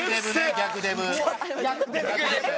逆デブ。